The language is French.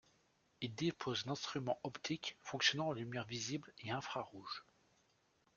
Il dispose d'instruments optiques fonctionnant en lumière visible et infrarouge.